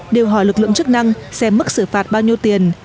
điều hỏi lực lượng chức năng xem mức xử phạt bao nhiêu tiền